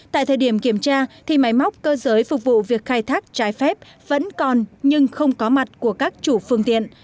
tại thời điểm kiểm tra thì máy móc cơ giới phục vụ việc khai thác trái phép vẫn còn nhưng không có mặt của các chủ phương tiện